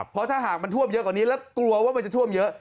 เพราะถ้าหากมันท่วมเยอะกว่านี้แล้วกลัวว่ามันจะท่วมเยอะ